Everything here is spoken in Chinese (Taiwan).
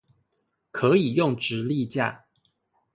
可以用直立架